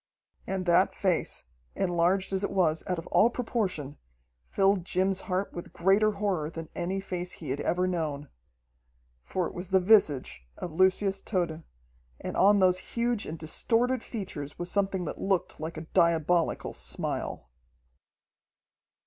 And that face, enlarged as it was out of all proportion, filled Jim's heart with greater horror than any face he had ever known. For it was the visage of Lucius Tode, and on those huge and distorted features was something that looked like a diabolical smile.